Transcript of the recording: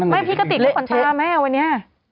ไม่พี่ก็ติดลูกขวัญตาแม่วันนี้